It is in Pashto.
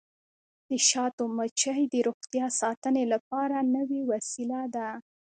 د شاتو مچۍ د روغتیا ساتنې لپاره نوې وسیله ده.